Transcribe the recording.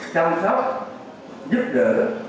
chăm sóc giúp đỡ